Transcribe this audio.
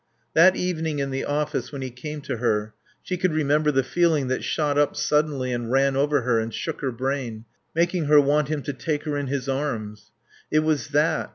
That evening in the office when he came to her she could remember the feeling that shot up suddenly and ran over her and shook her brain, making her want him to take her in his arms. It was that.